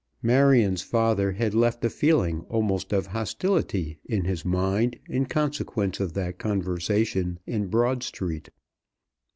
Marion's father had left a feeling almost of hostility in his mind in consequence of that conversation in Broad Street.